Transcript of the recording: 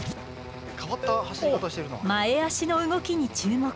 前足の動きに注目。